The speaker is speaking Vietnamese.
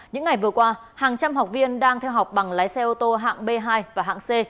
những ngày vừa qua hàng trăm học viên đang theo học bằng lái xe ô tô hạng b hai và hạng c